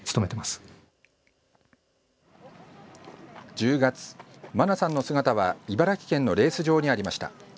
１０月、茉奈さんの姿は茨城県のレース場にありました。